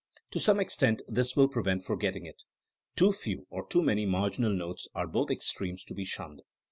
To some extent this will prevent forgetting it. Too few or too many marginal notes are both extremes to be shunned.